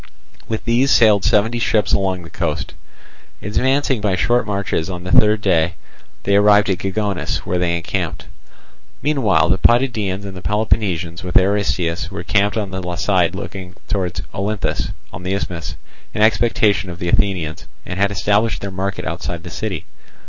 With these sailed seventy ships along the coast. Advancing by short marches, on the third day they arrived at Gigonus, where they encamped. Meanwhile the Potidæans and the Peloponnesians with Aristeus were encamped on the side looking towards Olynthus on the isthmus, in expectation of the Athenians, and had established their market outside the city.